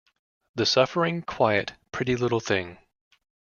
The suffering, quiet, pretty little thing!